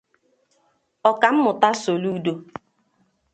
Ọkammụta Soludo